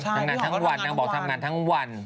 ทำงานทั้งวันนางบอกทำงานทั้งวัน